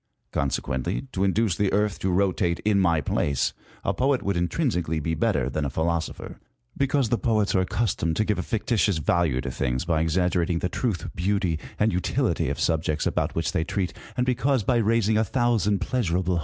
Consequently, to induce the Earth to rotate in my place, a poet would intrinsically be better than a philosopher : because the poets are accustomed to give a fictitious value to things by exaggerating the truth, beauty, and utility of subjects about which they treat, and because by raising a thousand pleasurable.